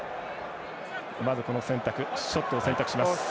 まずショットを選択します。